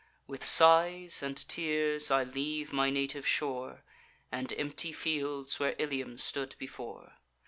With sighs and tears I leave my native shore, And empty fields, where Ilium stood before.